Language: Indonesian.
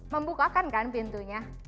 membukakan kan pintunya